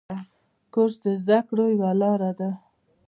کورس د زده کړو یوه لاره ده.